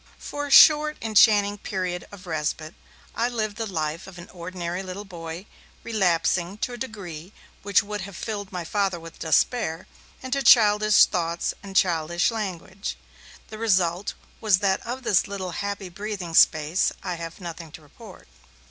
For a short, enchanting period of respite, I lived the life of an ordinary little boy, relapsing, to a degree which would have filled my Father with despair, into childish thoughts and childish language. The result was that of this little happy breathing space I have nothing to report.